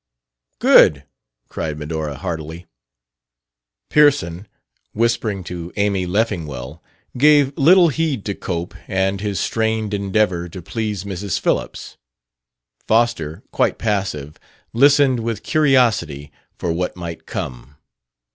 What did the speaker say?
"Good!" cried Medora heartily. Pearson, whispering to Amy Leffingwell, gave little heed to Cope and his strained endeavor to please Mrs. Phillips. Foster, quite passive, listened with curiosity for what might come.